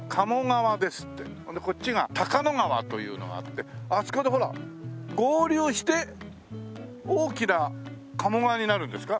それでこっちが高野川というのがあってあそこでほら合流して大きな鴨川になるんですか？